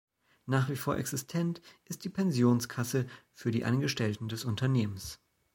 Nach wie vor existent ist die Pensionskasse für die Angestellten des Unternehmens.